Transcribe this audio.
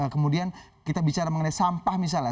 kemudian kita bicara mengenai sampah misalnya